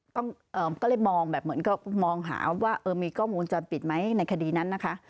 ก็เลยมองแบบเหมือนก็มองหาว่าเออมีกล้องวงจรปิดไหมในคดีนั้นนะคะ